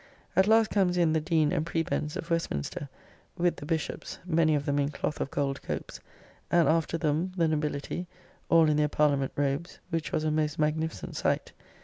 At last comes in the Dean and Prebends of Westminster, with the Bishops (many of them in cloth of gold copes), and after them the Nobility, all in their Parliament robes, which was a most magnificent sight.